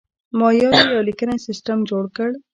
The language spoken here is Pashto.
مایانو یو لیکنی سیستم جوړ کړ.